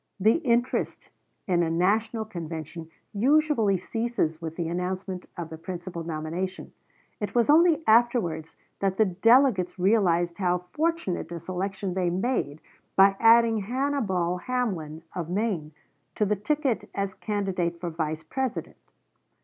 The interest in a National Convention usually ceases with the announcement of the principal nomination. It was only afterwards that the delegates realized how fortunate a selection they made by adding Hannibal Hamlin, of Maine, to the ticket as candidate for Vice President.